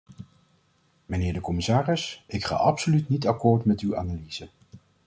Mijnheer de commissaris, ik ga absoluut niet akkoord met uw analyse.